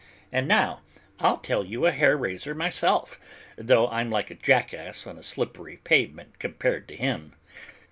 And now I'll tell you a hair raiser myself, though I'm like a jackass on a slippery pavement compared to him.